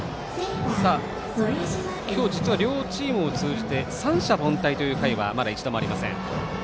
今日、実は両チームを通じて三者凡退という回はまだ一度もありません。